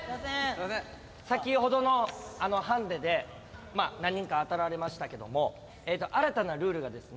先ほどのハンデでまあ何人か当たられましたけども新たなルールがです